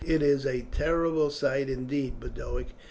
"It is a terrible sight, indeed, Boduoc.